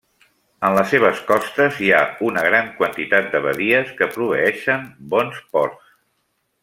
En les seves costes hi ha una gran quantitat de badies que proveeixen bons ports.